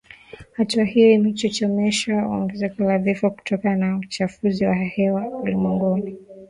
Hatua hiyo imechochewa na ongezeko la vifo kutokana na uchafuzi wa hewa ulimwenguni.